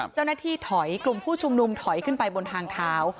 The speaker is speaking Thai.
เจ้าหน้าที่ถอยกลุ่มผู้ชุมนุมถอยขึ้นไปบนทางเท้า